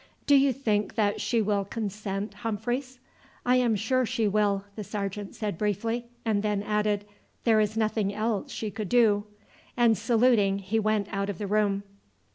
"Do you think that she will consent, Humphreys?" "I am sure she will," the sergeant said briefly, and then added, "There is nothing else she could do," and saluting he went out of the room.